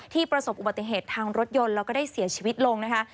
ประสบอุบัติเหตุทางรถยนต์แล้วก็ได้เสียชีวิตลงนะคะ